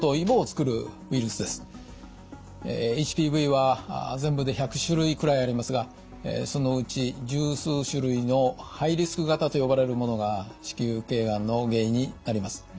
ＨＰＶは全部で１００種類くらいありますがそのうち十数種類のハイリスク型と呼ばれるものが子宮頸がんの原因になります。